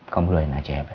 kamu beluin aja ya bel